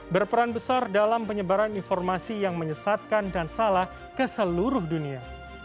berperan besar dalam penyebaran informasi yang menyesatkan dan salah ke seluruh dunia